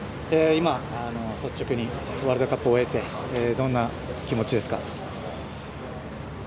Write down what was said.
今、率直にワールドカップを終えてどんな気持ちですか？